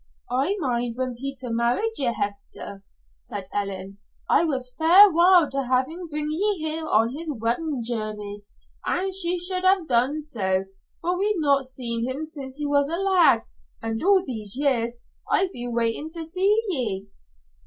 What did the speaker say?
"I mind when Peter married ye, Hester," said Ellen. "I was fair wild to have him bring ye here on his weddin' journey, and he should have done so, for we'd not seen him since he was a lad, and all these years I've been waitin' to see ye."